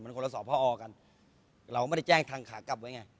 มันคนละสอบพอกันเราไม่ได้แจ้งทางขากลับไว้ไง